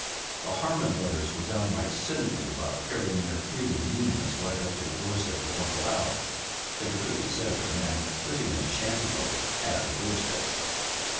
The Harmon brothers were downright sinful about carrying their feuding meanness right up to the doorstep of Uncle Al, if it could be said that a man living in a shantyboat had a doorstep.